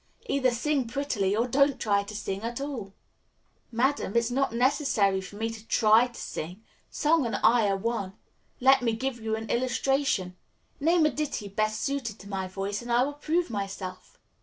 "Either sing prettily or don't try to sing at all." "Madam, it is not necessary for me to try to sing. Song and I are one. Let me give you an illustration. Name a ditty best suited to my voice and I will prove myself."